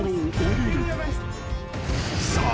［さあ